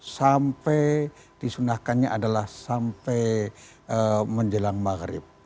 sampai disunahkannya adalah sampai menjelang maghrib